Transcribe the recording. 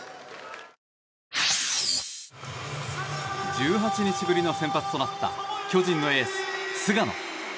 １８日ぶりの先発となった巨人のエース、菅野。